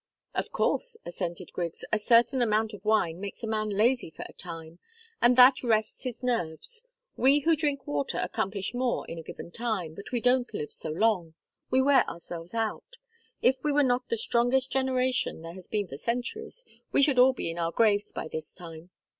"Of course," assented Griggs. "A certain amount of wine makes a man lazy for a time, and that rests his nerves. We who drink water accomplish more in a given time, but we don't live so long. We wear ourselves out. If we were not the strongest generation there has been for centuries, we should all be in our graves by this time."